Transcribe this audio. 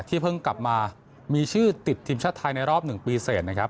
เพิ่งกลับมามีชื่อติดทีมชาติไทยในรอบ๑ปีเสร็จนะครับ